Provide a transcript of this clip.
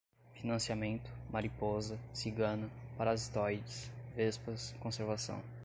financiamento, mariposa cigana, parasitoides, vespas, conservação